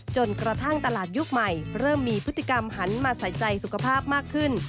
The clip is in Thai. จนกระทั่งตลาดยุคใหม่เริ่มมีพฤติกรรมหันมาใส่ใจสุขภาพมากขึ้น